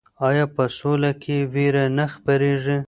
آیا په سوله کې ویره نه خپریږي؟